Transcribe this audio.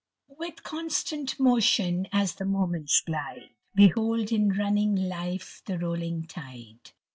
'* With constant motion as the moments glide. Behold in running life the rolling tide